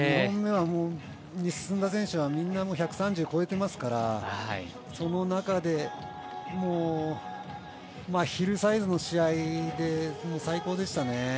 ２本目に進んだ選手はみんな１３０を越えていますからその中でヒルサイズの試合で最高でしたね。